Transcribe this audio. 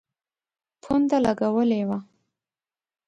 پونډه لګولي وه.